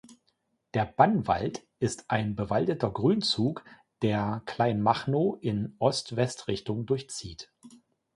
Der Bannwald ist ein bewaldeter Grünzug, der Kleinmachnow in Ost-West-Richtung durchzieht.